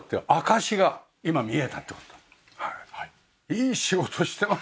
いい仕事してますよね。